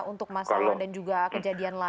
untuk masalah dan juga kejadian